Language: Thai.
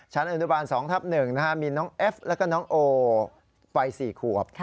อนุบาล๒ทับ๑มีน้องเอฟแล้วก็น้องโอวัย๔ขวบ